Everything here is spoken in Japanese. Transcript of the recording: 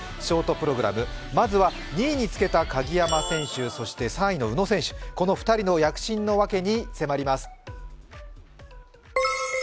ショートプログラム、まずは２位につけた鍵山選手、そして３位の宇野選手、この２人の躍進のわけに迫ります。